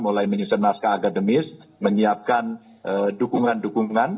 mulai menyusun naskah akademis menyiapkan dukungan dukungan